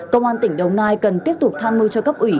công an tỉnh đồng nai cần tiếp tục tham mưu cho cấp ủy